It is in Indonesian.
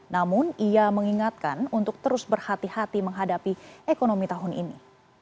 namun ia mengingatkan untuk terus berhati hati menghadapi ekonomi tahun ini